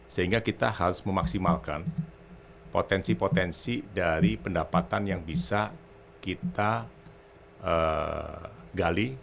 sehingga kita harus memaksimalkan potensi potensi dari pendapatan yang bisa kita gali